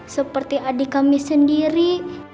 seperti adik kami sendiri